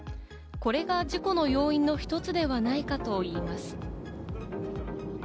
これが事故の要因の一つではないかといいます。